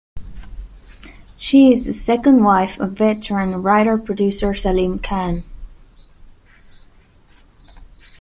She is the second wife of veteran writer-producer Salim Khan.